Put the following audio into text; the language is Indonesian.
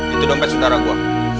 itu dompet saudara gua